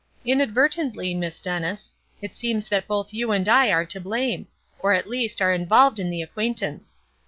"Inadvertently, Miss Dennis, it seems that both you and I are to blame, or, at least, are involved in the acquaintance.